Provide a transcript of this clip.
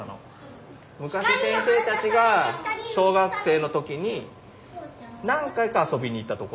昔先生たちが小学生の時に何回か遊びに行った所。